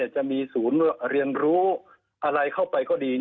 จะมีศูนย์เรียนรู้อะไรเข้าไปก็ดี